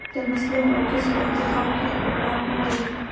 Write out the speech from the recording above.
د مسلک او کسب په انتخاب کې خپلواک نه و.